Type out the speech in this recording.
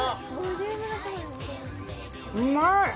うまい。